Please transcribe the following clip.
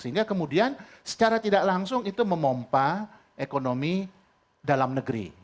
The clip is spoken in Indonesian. sehingga kemudian secara tidak langsung itu memompa ekonomi dalam negeri